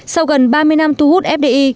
sau gần ba mươi năm thu hút fbi